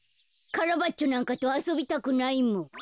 カラバッチョなんかとあそびたくないもん。